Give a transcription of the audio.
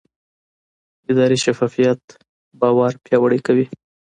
اداري شفافیت باور پیاوړی کوي